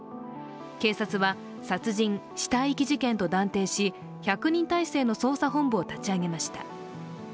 警察は、殺人死体遺棄事件と断定し、１００人態勢の捜査本部を立ち上げました。